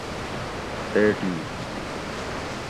اے ٹی